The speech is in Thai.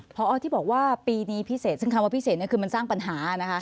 พอที่บอกว่าปีนี้พิเศษซึ่งคำว่าพิเศษคือมันสร้างปัญหานะคะ